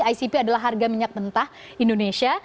icp adalah harga minyak mentah indonesia